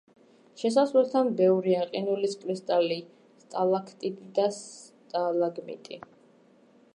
შესასვლელთან ბევრია ყინულის კრისტალი, სტალაქტიტი და სტალაგმიტი.